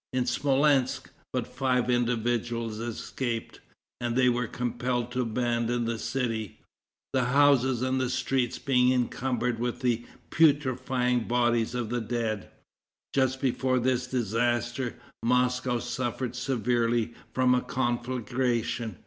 In Smolensk but five individuals escaped, and they were compelled to abandon the city, the houses and the streets being encumbered with the putrefying bodies of the dead. Just before this disaster, Moscow suffered severely from a conflagration.